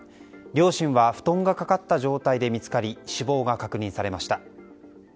両親は布団がかかった状態で見つかり、死亡が確認されました。